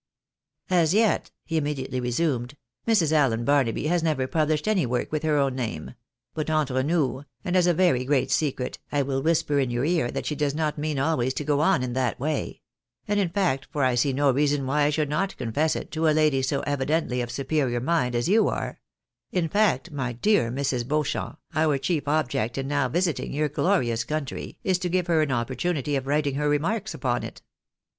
" As yet," he immediately resumed, " Mrs. Allen Barnaby has never pubhshed any work with her own name ; but entre nous, and as a very great secret, I wiU whisper in your ear that she does not mean always to go on in that way ; and in fact, for I see no rea son why I should not confess it to a lady so evidently of superior mind as you are, — ^in fact, my dear Mrs. Beauchamp, our chief object in now visiting your glorious country is to give her an oppor S6 THE BAENABTS IN AMERICA. tunity of writing her remarks upon it.